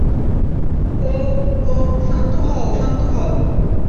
ওহ, ওহ, শান্ত হও, শান্ত হও।